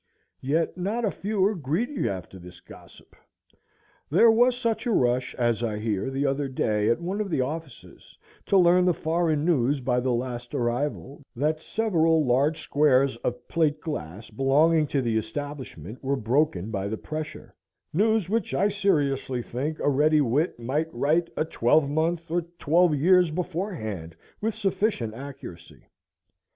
Yet not a few are greedy after this gossip. There was such a rush, as I hear, the other day at one of the offices to learn the foreign news by the last arrival, that several large squares of plate glass belonging to the establishment were broken by the pressure,—news which I seriously think a ready wit might write a twelve month, or twelve years, beforehand with sufficient accuracy.